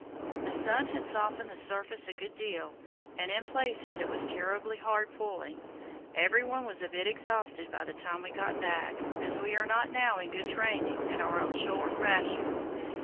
The sun had softened the surface a good deal, and in places it was terribly hard pulling. Every one was a bit exhausted by the time we got back, as we are not now in good training and are on short rations.